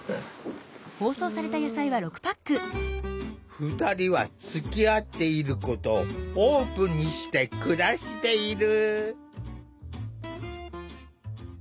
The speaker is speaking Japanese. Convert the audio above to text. ２人はつきあっていることをオープンにして暮らしている。